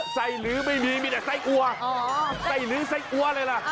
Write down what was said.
ใส่ลื้อไม่มีมีแต่ใส่อัวใส่ลื้อใส่อัวอะไรล่ะ